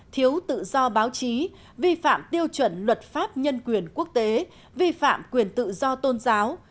thiếu tự do báo chí vi phạm tiêu chuẩn luật pháp nhân quyền quốc tế vi phạm quyền tự do tôn giáo